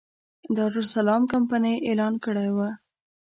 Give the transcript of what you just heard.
دارالسلام کمپنۍ اعلان کړی و.